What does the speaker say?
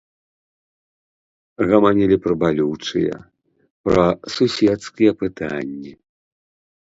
Гаманілі пра балючыя, пра суседскія пытанні.